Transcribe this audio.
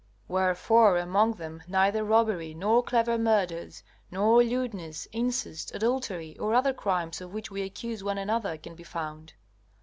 Wherefore among them neither robbery nor clever murders, nor lewdness, incest, adultery, or other crimes of which we accuse one another, can be found.